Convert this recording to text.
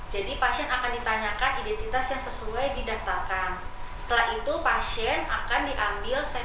jadi pasien akan ditanyakan identitas yang sesuai didaftarkan setelah itu pasien akan diambil sampel